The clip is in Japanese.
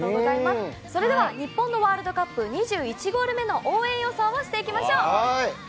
それでは日本のワールドカップ２１ゴール目の応援予想をしていきましょう。